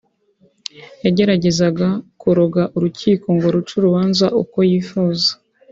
yageragezaga kuroga urukiko ngo ruce urubanza uko yifuza